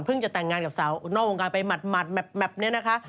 จะแต่งงานกับสาวนอกวงการไปหมัดแบบนี้นะคะ